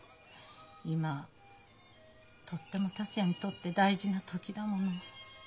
今とっても達也にとって大事な時だもの。